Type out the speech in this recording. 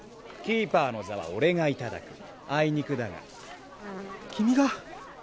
キーパーの座は俺が頂くあいにくだが君が？